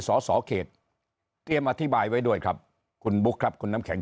สสเขตเตรียมอธิบายไว้ด้วยครับคุณบุ๊คครับคุณน้ำแข็ง